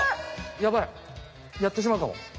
ヤバいやってしまうかも。